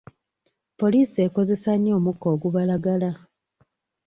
Poliisi ekozesa nnyo omukka ogubalagala.